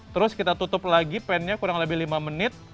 terus kita tutup lagi pen nya kurang lebih lima menit